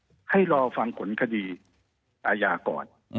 บอกว่าให้รอฟังขุนคดีอาญาก่อน